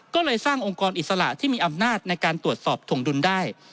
ก็เลยสร้างองค์กรอิสระที่มีอำนาจในการตรวจสอบถวงดุลได้